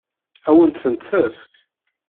Ad wen-tent-tefk?